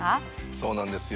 そうなんですよ。